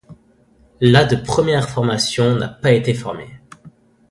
La de première formation n'a pas été formée.